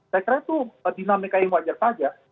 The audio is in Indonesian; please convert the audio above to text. saya kira itu dinamika yang wajar saja